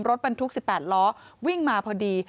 รถบรรทุก๑๘ล้อวิ่งมาพอดี